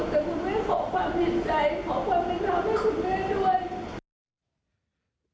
แต่คุณแม่ขอความเห็นใจขอความเป็นธรรมให้คุณแม่ด้วย